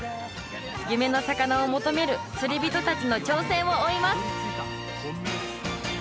夢の魚を求める釣り人たちの挑戦を追います！